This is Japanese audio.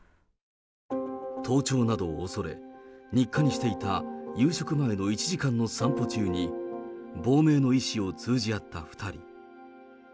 盗聴などを恐れ、日課にしていた夕食前の１時間の散歩中に、亡命の意思を通じ合った２人。